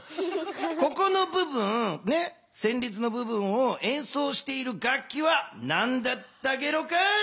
ここの部分ねせんりつの部分をえんそうしている楽器はなんだったゲロか？